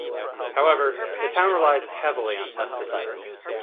However the town relies heavily on pesticides.